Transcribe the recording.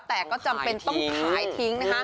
แต่ก็จำเป็นต้องขายทิ้งนะคะ